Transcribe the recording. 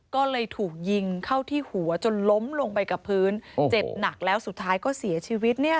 ก็เลยถูกยิงเข้าที่หัวจนล้มลงไปกับพื้นเจ็บหนักแล้วสุดท้ายก็เสียชีวิตเนี่ย